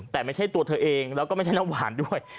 แต่ไม่ใช่ตัวเธอเองแล้วก็ไม่ใช่น้ำหวานด้วย